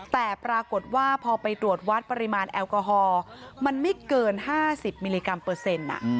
แต่ปรากฏว่าพอไปตรวจวัดปริมาณแอลกอฮอล์มันไม่เกิน๕๐มิลลิกรัมเปอร์เซ็นต์